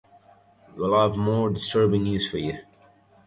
Well... I have more disturbing news for you.